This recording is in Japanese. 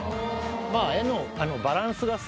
絵の。